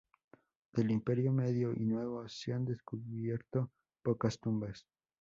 Del Imperio Medio y Nuevo se han descubierto pocas tumbas.